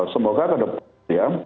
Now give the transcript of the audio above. semoga kena berhasil ya